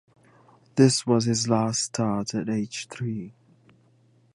This was his last start at age three.